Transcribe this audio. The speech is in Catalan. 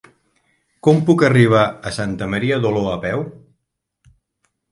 Com puc arribar a Santa Maria d'Oló a peu?